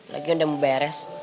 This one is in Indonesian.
lagian udah mau beres